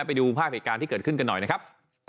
ไปดูภาพเหตุการณ์ที่เกิดขึ้นกันหน่อยนะครับ